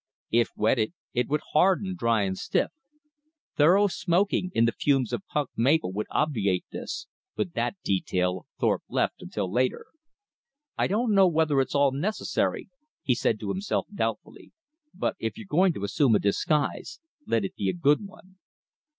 If wetted, it would harden dry and stiff. Thorough smoking in the fumes of punk maple would obviate this, but that detail Thorpe left until later. "I don't know whether it's all necessary," he said to himself doubtfully, "but if you're going to assume a disguise, let it be a good one."